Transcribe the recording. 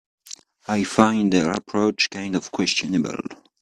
I find her approach kind of questionable.